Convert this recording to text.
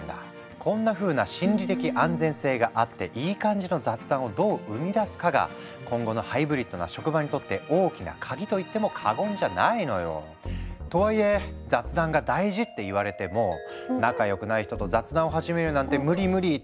こんなふうな心理的安全性があっていい感じの雑談をどう生み出すかが今後のハイブリッドな職場にとって大きな鍵と言っても過言じゃないのよ。とはいえ雑談が大事って言われても「仲良くない人と雑談を始めるなんて無理無理！」って思う人もいるじゃない？